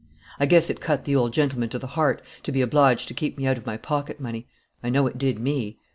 I guess it cut the old gentleman to the heart to be obliged to keep me out of my pocket money. I know it did me.